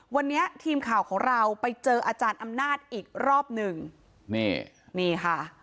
วันนี้ทีมข่าวของเราไปเจออาจารย์อำนาจอีกรอบหนึ่งนี่นี่ค่ะ